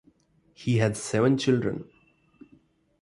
He has seven children.